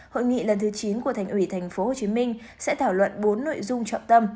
hội nghị lần thứ chín của thành ủy tp hcm sẽ thảo luận bốn nội dung trọng tâm